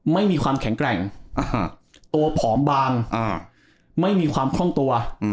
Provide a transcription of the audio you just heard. ไม่มีความแข็งแกร่งตัวผอมบางไม่มีความคล่องตัว